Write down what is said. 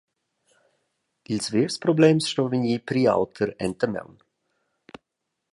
Ils vers problems ston vegnir pri auter enta maun.